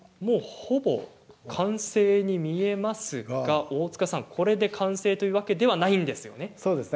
ほぼ完成に見えますが大塚さん、これで完成というわけではないですね。